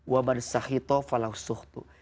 wa man sahhita falahu suhthu